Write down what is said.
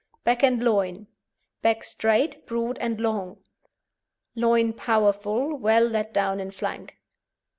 BACK AND LOIN Back straight, broad and long; loin powerful, well let down in flank.